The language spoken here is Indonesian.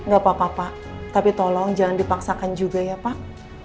gak apa apa tapi tolong jangan dipaksakan juga ya pak